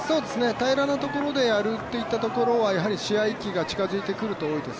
平らなところでやるというのは試合期が近づいてくると多いです。